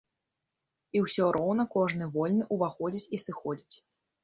І ўсё роўна кожны вольны ўваходзіць і сыходзіць.